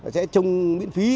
sẽ trông miễn phí